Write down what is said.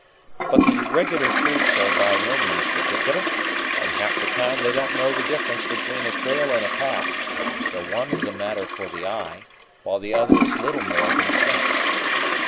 But the regular troops are by no means particular, and half the time they don't know the difference between a trail and a path, though one is a matter for the eye, while the other is little more than scent."